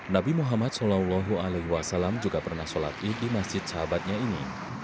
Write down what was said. nabi muhammad saw juga pernah sholat id di masjid sahabatnya ini